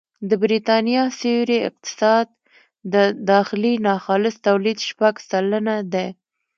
د بریتانیا سیوري اقتصاد د داخلي ناخالص توليد شپږ سلنه دی